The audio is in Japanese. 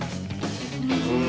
うん。